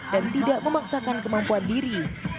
dan tidak memaksakan kemampuan diri